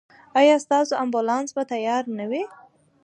ایا ستاسو امبولانس به تیار نه وي؟